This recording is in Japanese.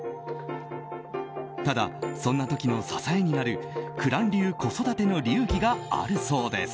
ただ、そんな時の支えになる紅蘭流子育ての流儀があるそうです。